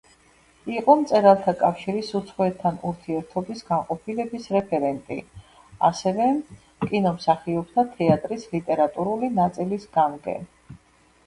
იყო მწერალთა კავშირის უცხოეთთან ურთიერთობის განყოფილების რეფერენტი, ასევე კინომსახიობთა თეატრის ლიტერატურული ნაწილის გამგე.